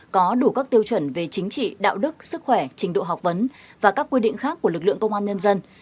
có đủ các tiêu chuẩn về chính trị đạo đức sức khỏe trình độ học vấn và các quy định khác của lực lượng công an nhân dân